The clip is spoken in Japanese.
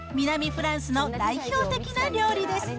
フランスの代表的な料理です。